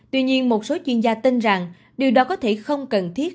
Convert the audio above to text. tuy nhiên một số chuyên gia tin rằng điều đó có thể không cần thiết